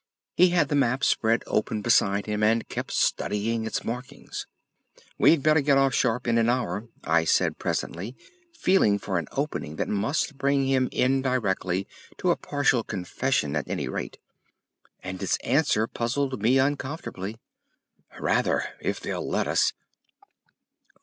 He had the map spread open beside him, and kept studying its markings. "We'd better get off sharp in an hour," I said presently, feeling for an opening that must bring him indirectly to a partial confession at any rate. And his answer puzzled me uncomfortably: "Rather! If they'll let us."